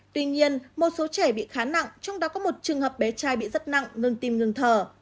tuy nhiên một số trẻ bị khá nặng trong đó có một trường hợp bé trai bị rất nặng ngừng tim ngừng thở